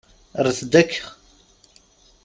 Rret-d akka.